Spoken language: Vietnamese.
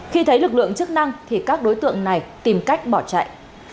khi thấy lực lượng chức năng thì các đối tượng này tìm cách bỏ chạy